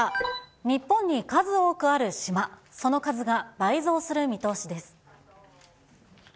日本に数多くある島、その数が倍増する見通しです。